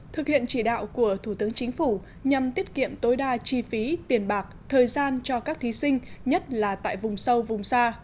thực hiện chỉ đạo của thủ tướng chính phủ nhằm tiết kiệm tối đa chi phí tiền bạc thời gian cho các thí sinh nhất là tại vùng sâu vùng xa